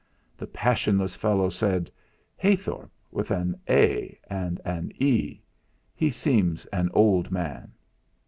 The passionless fellow said: "Haythorp, with an 'a'. oh! an 'e'. he seems an old man.